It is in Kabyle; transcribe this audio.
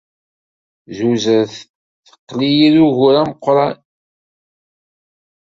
Tuzert teqqel-iyi d ugur ameqran.